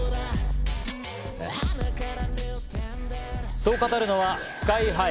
そう語るのはＳＫＹ−ＨＩ。